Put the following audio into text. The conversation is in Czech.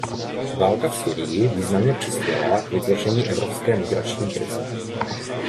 Válka v Sýrii významně přispěla k vytvoření Evropské migrační krize.